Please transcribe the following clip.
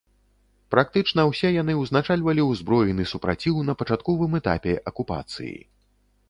Практычна ўсе яны ўзначальвалі ўзброены супраціў на пачатковым этапе акупацыі.